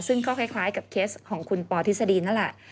ซึ่งก็คล้ายกับเคสของคุณปอทฤษฎีนั่นแหละ